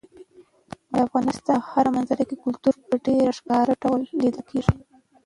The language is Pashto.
د افغانستان په هره منظره کې کلتور په ډېر ښکاره ډول لیدل کېږي.